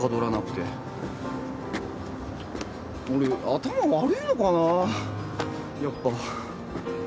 俺頭悪いのかなあやっぱ。